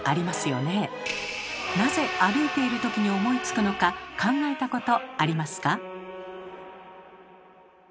なぜ歩いてるときに思いつくのか考えたことありますか？